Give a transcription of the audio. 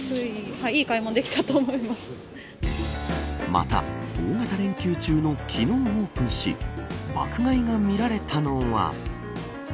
また大型連休中の昨日オープンし爆買いが見られたのは。